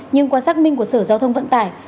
nhưng qua xác minh của sở giao thông vận tải